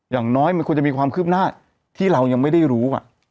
อย่างน้อยมันควรจะมีความคืบหน้าที่เรายังไม่ได้รู้